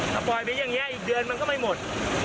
ถ้าปล่อยไปอย่างนี้อีกเดือนมันก็ไม่หมด